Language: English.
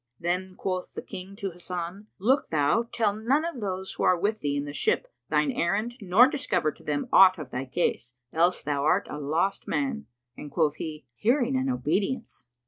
Then quoth the King to Hasan, "Look thou tell none of those who are with thee in the ship thine errand nor discover to them aught of thy case; else thou art a lost man;" and quoth he, "Hearing and obedience!"